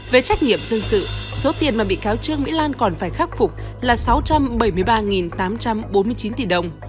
về trách nhiệm dân sự số tiền mà bị cáo trương mỹ lan còn phải khắc phục là sáu trăm bảy mươi ba tám trăm bốn mươi chín tỷ đồng